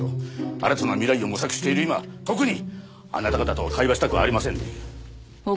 新たな未来を模索している今特にあなた方とは会話したくありませんね。